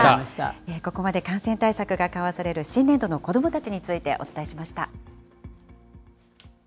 ここまで感染対策が緩和される新年度の子どもたちについて、お伝えしました。